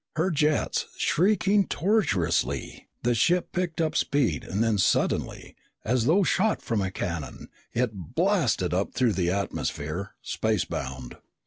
Her jets shrieking torturously, the ship picked up speed and then suddenly, as though shot from a cannon, it blasted up through the atmosphere spacebound.